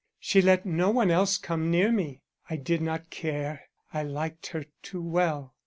She let no one else come near me. I did not care; I liked her too well.